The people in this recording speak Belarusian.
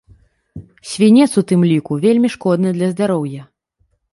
Свінец у тым ліку вельмі шкодны для здароўя.